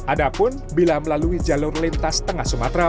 adapun bila melalui jalur lintas tengah sumatera